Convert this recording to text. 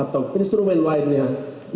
yang mengatur tentang pendapatan